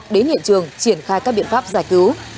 đến hiện trường triển khai các biện pháp giải cứu